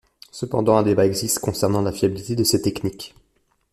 Cependant un débat existe concernant la fiabilité de cette technique.